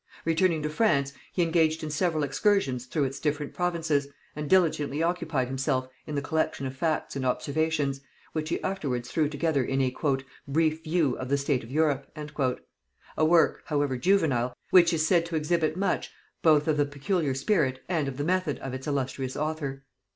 Returning to France, he engaged in several excursions through its different provinces, and diligently occupied himself in the collection of facts and observations, which he afterwards threw together in a "Brief View of the State of Europe;" a work, however juvenile, which is said to exhibit much both of the peculiar spirit and of the method of its illustrious author.